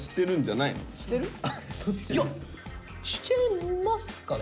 いやしてますかね？